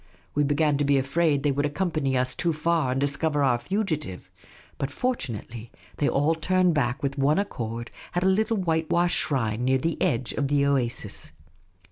We began to be afraid they would accompany us too far and discover our fugitive ; but fortun ately they all turned back with one accord at a little white washed shrine near the edge of the oasis.